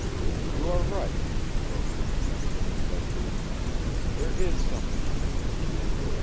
"You are right," broke in the young man, desperately. "There is something in it.